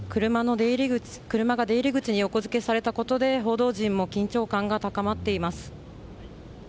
車が出入り口に横付けされたことで報道陣も緊張感が高まっています。